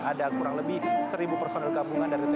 ada kurang lebih seribu personel gabungan dari tni